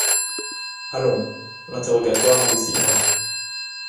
Allons, l’interrogatoire en décidera.